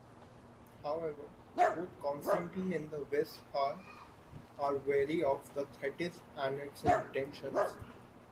However, both Constantine and the Wess'har are wary of the "Thetis" and its intentions.